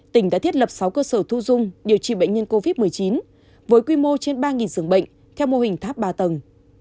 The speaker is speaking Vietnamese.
tỉnh đã thiết lập sáu cơ sở thu dung điều trị bệnh nhân covid một mươi chín với quy mô trên ba dường bệnh theo mô hình tháp ba tầng